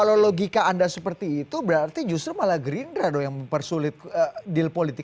kalau logika anda seperti itu berarti justru malah gerindra yang mempersulit deal politik